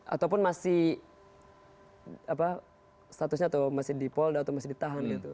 ataupun masih statusnya atau masih di polda atau masih ditahan gitu